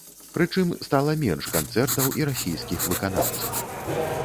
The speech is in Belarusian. Прычым, стала менш канцэртаў і расійскіх выканаўцаў.